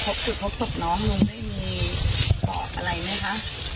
พบสุดพบสุดน้องนุงได้มีอะไรไหมคะ